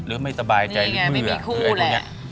หรือไม่สบายใจหรือเมื่อไม่มีคู่แหละ